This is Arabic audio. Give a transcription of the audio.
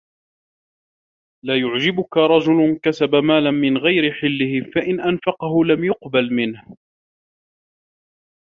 لَا يُعْجِبُك رَجُلٌ كَسَبَ مَالًا مِنْ غَيْرِ حِلِّهِ فَإِنْ أَنْفَقَهُ لَمْ يُقْبَلْ مِنْهُ